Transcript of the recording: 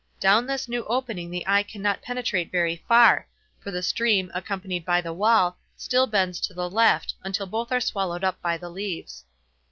Down this new opening the eye cannot penetrate very far; for the stream, accompanied by the wall, still bends to the left, until both are swallowed up by the leaves.